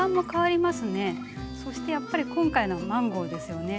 そしてやっぱり今回のマンゴーですよね。